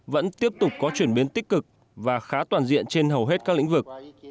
vẫn tiếp tục có chuyển biến tích cực và khá toàn diện trên hầu hết các lĩnh vực